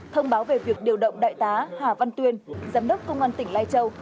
thông báo về việc điều động đại tá hà văn tuyên giám đốc công an tỉnh lai châu